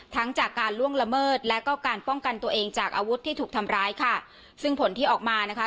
ทั้งจากการล่วงละเมิดและก็การป้องกันตัวเองจากอาวุธที่ถูกทำร้ายค่ะซึ่งผลที่ออกมานะคะ